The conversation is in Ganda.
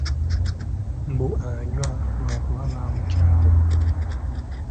Mbu anywa lwa kuba baamukyawa.